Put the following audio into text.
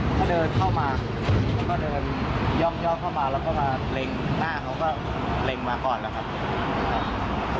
ยอมเข้ามาแล้วก็มาเล็งหน้าเขาก็เล็งมาก่อนแล้วครับ